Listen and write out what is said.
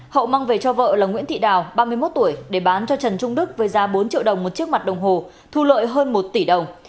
hậu mang về cho vợ là nguyễn thị đào ba mươi một tuổi để bán cho trần trung đức với giá bốn triệu đồng một chiếc mặt đồng hồ thu lợi hơn một tỷ đồng